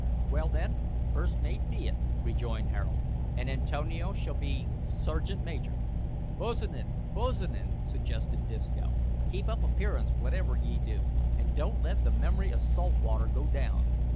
"Well then, first mate be it," rejoined Harold, "and Antonio shall be serjeant major " "Bo's'n bo's'n," suggested Disco; "keep up appearances wotiver ye do, an' don't let the memory of salt water go down."